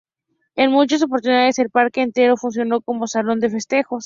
En muchas oportunidades el Parque entero funcionó como "Salón de Festejos".